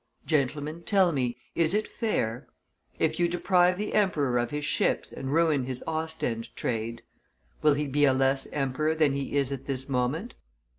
Gentlemen, tell me, is it fair? If you deprive the emperor of his ships and ruin his Ostend trade, will he be a less emperor than he is at this moment?